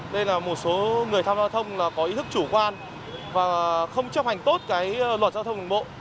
đây là một số người tham gia giao thông có ý thức chủ quan và không chấp hành tốt cái luật giao thông đường bộ